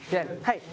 はい。